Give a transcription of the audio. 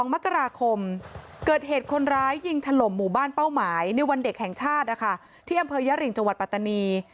มกราคมเกิดเหตุคนร้ายยิงถล่มหมู่บ้านเป้าหมายในวันเด็กแห่งชาติที่อำเภอยริงจังหวัดปัตตานี